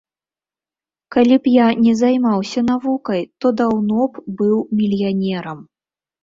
Калі б я не займаўся навукай, то даўно б быў мільянерам.